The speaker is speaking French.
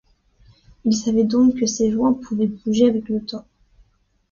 Il savait donc que ses joints pouvaient bouger avec le temps.